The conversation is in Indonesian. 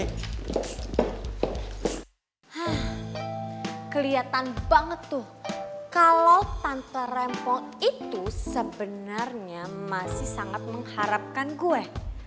hah kelihatan banget tuh kalau tanpa rempot itu sebenarnya masih sangat mengharapkan gue